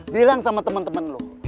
bilang sama temen temen lo